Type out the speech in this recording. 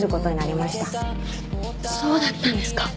そうだったんですか。